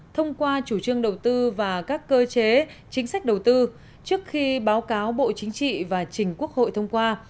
thông qua chủ trương đầu tư và các cơ chế chính sách đầu tư trước khi báo cáo bộ chính trị và trình quốc hội thông qua